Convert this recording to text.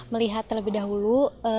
melihat terlebih dahulu